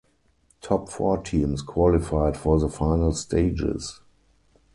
Top four teams qualified for the final stages.